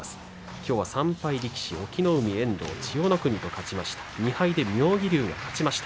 きょうは３敗力士隠岐の海、遠藤、千代の国と勝ちました。